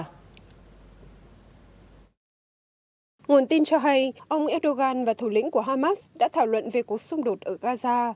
nguồn tin cho hay ông erdogan và thủ lĩnh của hamas đã thảo luận về cuộc xung đột ở gaza